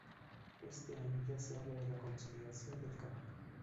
Ese año ya se habla de la consolidación del canal.